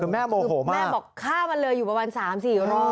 แม่โมงแม่บอกฆ่ามันเลยอยู่ประมาณ๓๔รอบ